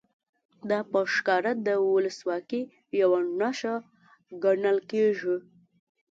دا په ښکاره د ولسواکۍ یوه نښه ګڼل کېږي.